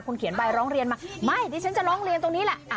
คุณเขียนใบร้องเรียนมาไม่ดิฉันจะร้องเรียนตรงนี้แหละ